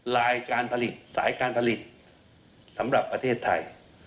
ลายการผลิตสายการผลิตสำหรับประเทศไทย